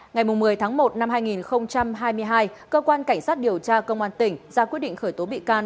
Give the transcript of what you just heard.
ngày một mươi tháng một năm hai nghìn hai mươi hai cơ quan cảnh sát điều tra công an tỉnh ra quyết định khởi tố bị can